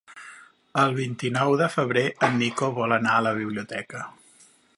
El vint-i-nou de febrer en Nico vol anar a la biblioteca.